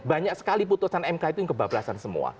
banyak sekali putusan mk itu yang kebablasan semua